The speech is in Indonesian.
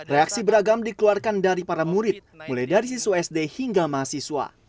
reaksi beragam dikeluarkan dari para murid mulai dari siswa sd hingga mahasiswa